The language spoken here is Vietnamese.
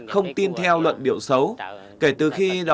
không tin theo luận biểu xấu